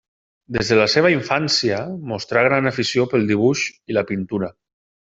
Des de la seva infància mostrà gran afició pel dibuix i la pintura.